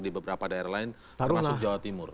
di beberapa daerah lain termasuk jawa timur